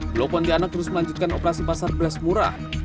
blok pontianak terus melanjutkan operasi pasar beras murah